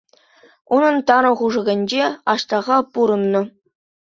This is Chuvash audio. Унӑн тарӑн хушӑкӗнче Аҫтаха пурӑннӑ.